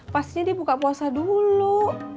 pastinya dia buka puasa dulu